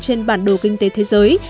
trên bản đồ kinh tế thế giới